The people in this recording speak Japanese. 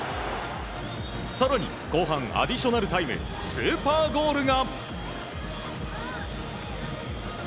更に後半アディショナルタイムスーパーゴールが！